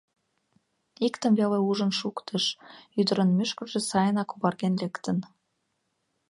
Иктым веле ужын шуктыш: ӱдырын мӱшкыржӧ сайынак оварген лектын.